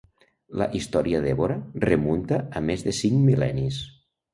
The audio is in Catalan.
La història d'Évora remunta a més de cinc mil·lennis.